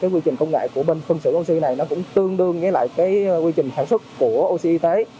quy trình công nghệ của phân xử oxy này tương đương với quy trình sản xuất oxy y tế